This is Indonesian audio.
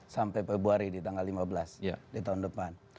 sampai februari di tanggal lima belas di tahun depan